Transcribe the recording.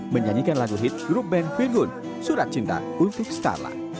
menyanyikan lagu hit grup band figun surat cinta untuk starla